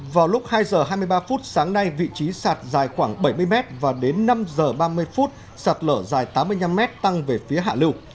vào lúc hai h hai mươi ba phút sáng nay vị trí sạt dài khoảng bảy mươi m và đến năm h ba mươi phút sạt lở dài tám mươi năm m tăng về phía hạ lưu